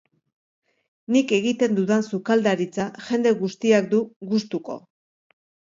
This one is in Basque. Nik egiten dudan sukaldaritza jende guztiak du gustuko.